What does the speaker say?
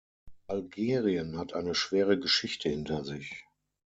Algerien hat eine schwere Geschichte hinter sich.